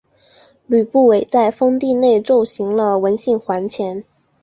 吕不韦在封地内铸行了文信圜钱。